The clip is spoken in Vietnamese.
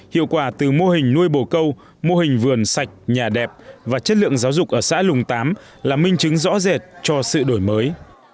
hiệu quả từ mô hình nuôi bồ câu mô hình vườn sạch nhà đẹp và chất lượng giáo dục ở xã lùng tám là minh chứng rõ rệt cho sự đổi mới